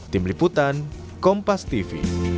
tim liputan kompas tv